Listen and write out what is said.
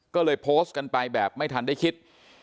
ก็เลยโพสต์กันไปแบบไม่ทันได้คิด